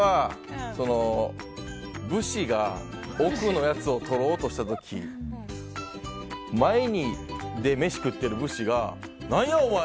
武士が奥のやつを取ろうとした時前で飯を食ってる武士がなんやお前！